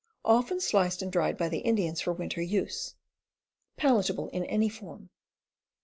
Often sliced and dried by the Indians for winter use. Palatable in any form.